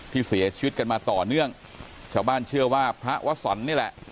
เสียชีวิตกันมาต่อเนื่องชาวบ้านเชื่อว่าพระวสันนี่แหละ